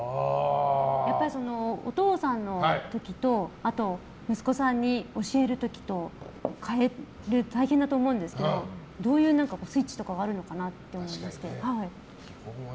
やっぱり、お父さんの時とあと息子さんに教える時と変えるの大変だと思うんですけどスイッチがあるのかなって。